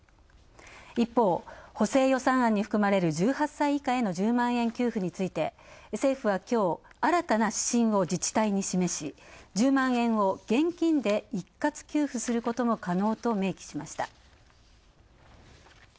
一方、補正予算案に含まれる１８以下への１０万円給付について政府はきょう新たな指針を自治体に示し、１０万円を現金で一括給付することも可能だと明記しました。